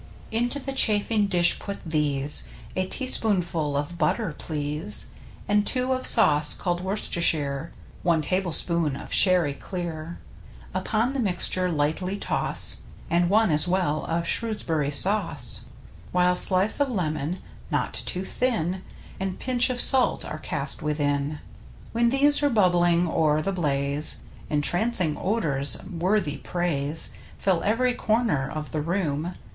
Into the chafing dish put these: A teaspoonful of butter, please, And two of sauce called Worcestershire; One tablespoon of sherry clear Upon this mixture lightly toss. And one as well of Shrewsb'ry sauce ; While slice of lemon — not too thin — And pinch of salt are cast within. When these are bubbling o'er the blaze Entrancing odors, worthy praise, Fill ev'ry corner of the room.